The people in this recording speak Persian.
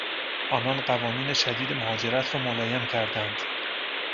آنان قوانین شدید مهاجرت را ملایم کردند.